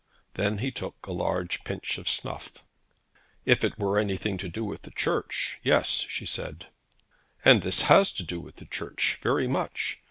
Then he took a large pinch of snuff. 'If it were anything to do with the Church, yes,' she said. 'And this has to do with the Church, very much.